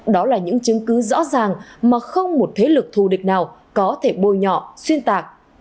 đó là những chứng cứ rõ ràng mà không một thế lực thù địch nào có thể bôi nhọ xuyên tạc